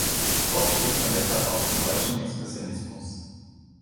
Oft spricht man deshalb auch vom Deutschen Expressionismus.